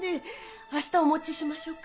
明日お持ちしましょうか？